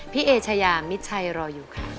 พี่เอเชยามิดชัยรออยู่ค่ะ